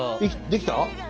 できた？